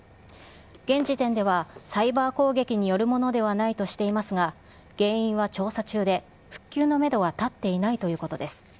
現時点ではサイバー攻撃によるものではないとしていますが、原因は調査中で、復旧のメドは立っていないということです。